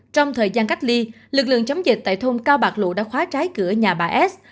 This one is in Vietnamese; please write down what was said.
trong thời gian cách ly lực lượng chống dịch tại thôn cao bạc lụ đã khóa trái cửa nhà bà s